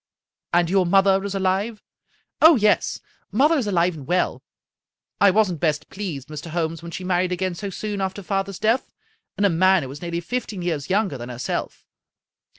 " And your mother is alive ?"" Oh, yes ; mother is aHve and well. I wasn't best pleased, Mr. Holmes, when she married again so soon after father's death, and a man who was nearly fifteen years younger than herself.